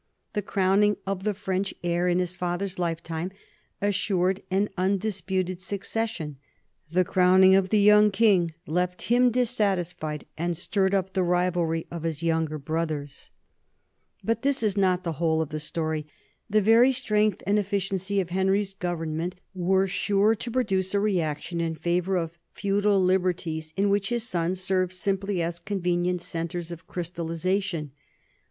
The crowning of the French heir in his father's lifetime assured an undis puted succession; the crowning of the Young King left him dissatisfied and stirred up the rivalry of his younger brothers. 124 NORMANS IN EUROPEAN HISTORY But this is not the whole of the story. The very strength and efficiency of Henry's government were sure to produce a reaction in favor of feudal liberties in which his sons serve simply as convenient centres of crystallization.